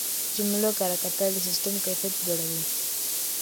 د جملو کره کتل د سیسټم کیفیت لوړوي.